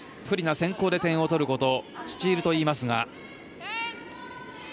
不利な先攻で点を取ることをスチールといいますが。